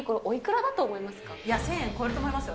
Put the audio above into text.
１０００円超えると思いますよ。